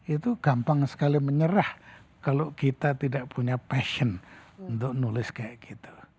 itu gampang sekali menyerah kalau kita tidak punya passion untuk nulis kayak gitu